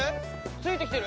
ついてきてる？